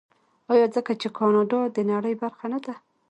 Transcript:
آیا ځکه چې کاناډا د نړۍ برخه نه ده؟